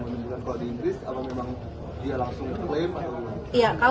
kalau di inggris apa memang dia langsung kelem